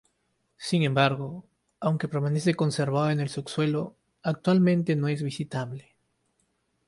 Sin embargo, aunque permanece conservado en el subsuelo, actualmente no es visitable.